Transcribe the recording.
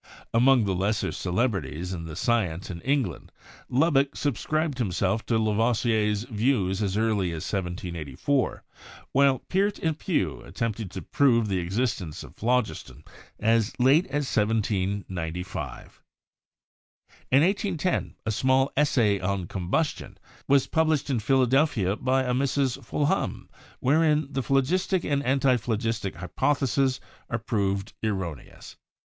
Among the lesser celebrities in the sci ence in England, Lubbock subscribed himself to Lavoi sier's views as early as 1784, while Peart and Pew at tempted to prove the existence of phlogiston as late as 1795. In 1810, a small 'Essay on Combustion' was published in Philadelphia by a Mrs. Fulhame, "wherein the phlogis tic and antiphlogistic hypotheses are proved erroneous."